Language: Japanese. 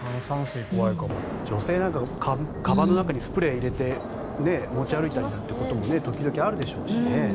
女性なんかかばんの中にスプレーを入れて持ち歩いたりということも時々あるでしょうしね。